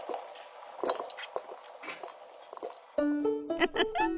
ウフフ。